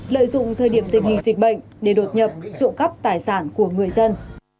lợi dụng thời điểm tình hình dịch bệnh để đột nhập trộm cắp tài sản của người dân